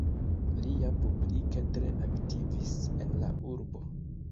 Li ja publike tre aktivis en la urbo.